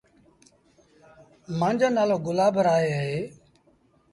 مآݩجو نآلو گلاب راء اهي۔